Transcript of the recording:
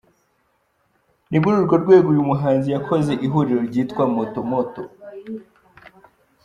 Ni muri urwo rwego uyu muhanzi yakoze ihuriro ryitwa Moto Moto.